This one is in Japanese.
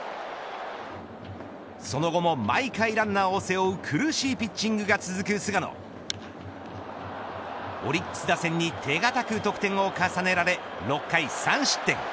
その後も毎回ランナーを背負う苦しいピッチングが続く菅野オリックス打線に手堅く得点を重ねられ６回３失点。